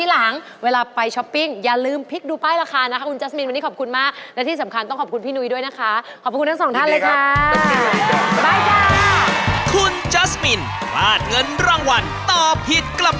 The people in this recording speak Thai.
หัวเราะจังเล็กตับเลยนะครับค่ะนะครับนะครับ